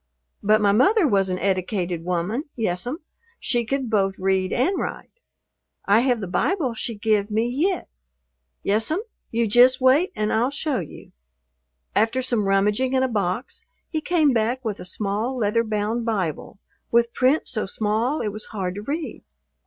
But my mother was an eddicated woman, yes'm, she could both read and write. I have the Bible she give me yit. Yes'm, you jist wait and I'll show you." After some rummaging in a box he came back with a small leather bound Bible with print so small it was hard to read.